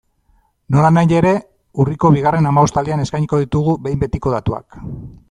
Nolanahi ere, urriko bigarren hamabostaldian eskainiko ditugu behin betiko datuak.